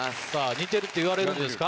似てるって言われるんですか？